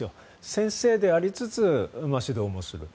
先生でありつつ指導もする。